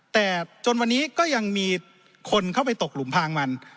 แต่จนวันนี้ก็ยังมีคนเข้าไปตกหลุมพางมัน